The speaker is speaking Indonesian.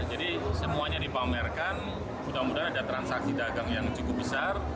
jadi semuanya dipamerkan mudah mudahan ada transaksi dagang yang cukup besar